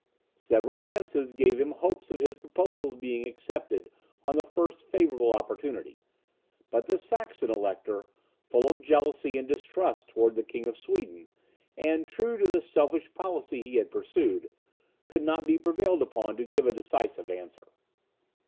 Several princes gave him hopes of his proposals being accepted on the first favourable opportunity; but the Saxon Elector, full of jealousy and distrust towards the King of Sweden, and true to the selfish policy he had pursued, could not be prevailed upon to give a decisive answer.